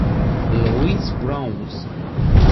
Louis Browns.